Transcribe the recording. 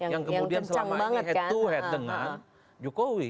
yang kemudian selama ini head to head dengan jokowi